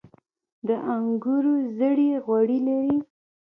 د انګورو زړې غوړي لري.